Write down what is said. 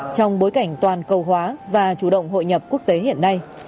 trong bối cảnh toàn cầu hóa và chủ động hội nhập quốc tế hiện nay